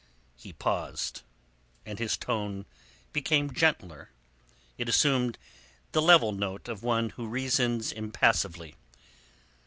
He paused, and his tone became gentler, it assumed the level note of one who reasons impassively.